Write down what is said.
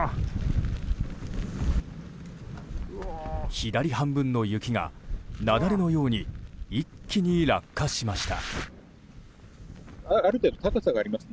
左半分の雪が、雪崩のように一気に落下しました。